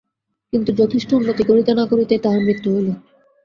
কিন্তু যথেষ্ট উন্নতি করিতে না করিতেই তাহার মৃত্যু হইল।